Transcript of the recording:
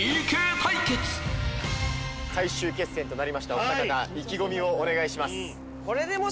最終決戦となりましたおふた方意気込みをお願いします。